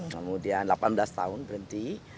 kemudian delapan belas tahun berhenti